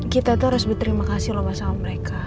kita tuh harus berterima kasih loh pak sama mereka